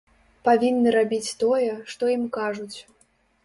Павінны рабіць тое, што ім кажуць!